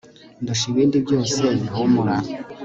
ndusha ibindi byose bihumura